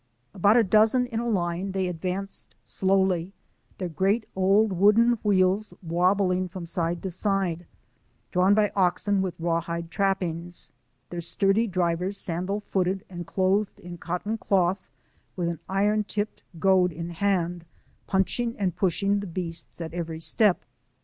About a dozen in a line, they advanced slowly — their great old wooden wheels wabbling from side to side — drawn by oxen with raw hide trappings ; their sturdy drivers sandal footed and clothed in cotton cloth, with an iron tipped gnad in hand, punching and pushing the beasts at every step.